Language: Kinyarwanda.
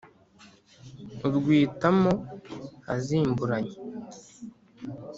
Urwita mwo azimburanye,